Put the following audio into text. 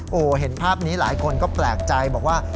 โอ้โหเห็นภาพนี้หลายคนก็แปลกใจบอกว่า